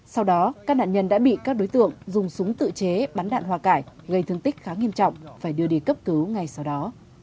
sau đó các nạn nhân đã bị các đối tượng dùng súng tự chế bắn đạn hoa cải gây thương tích khá nghiêm trọng phải đưa đi cấp cứu ngay sau đó